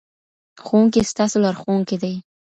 ښوونکی ستاسو لارښوونکی دی.